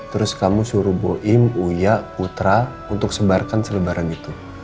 terus kamu suruh boim uya putra untuk sebarkan selebaran itu